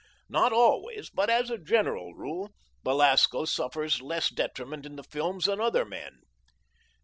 Not always, but as a general rule, Belasco suffers less detriment in the films than other men.